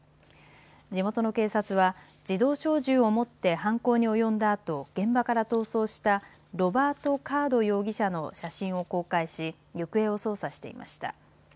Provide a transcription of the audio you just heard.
地元の警察は自動小銃を持って犯行に及んだあと現場から逃走したロバート・カード容疑者の写真を公開し行方を捜査していました。